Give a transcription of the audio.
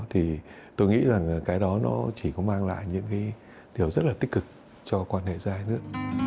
thì tôi nghĩ rằng cái đó nó chỉ có mang lại những cái điều rất là tích cực cho quan hệ dài nữa